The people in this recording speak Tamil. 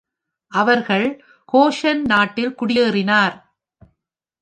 அவர்கள் கோஷென் நாட்டில் குடியேறினார்.